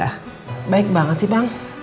ya baik banget sih bang